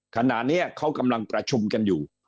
ขณะนี้เขากำลังประชุมกันอยู่